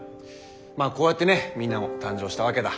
まあこうやってねみんなも誕生したわけだ。